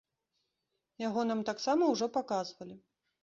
Яго нам таксама ўжо паказвалі.